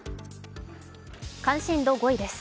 関心度５位です。